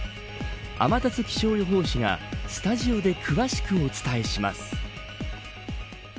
天達気象予報士がスタジオで詳しくお伝えします。